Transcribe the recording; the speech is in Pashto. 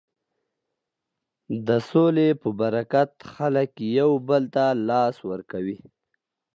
د سولې په برکت خلک یو بل ته لاس ورکوي.